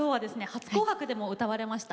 初「紅白」でも歌われました